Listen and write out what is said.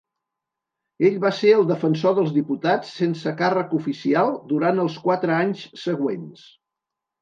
Ell va ser el defensor dels diputats sense càrrec oficial durant els quatre anys següents.